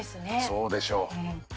そうでしょう。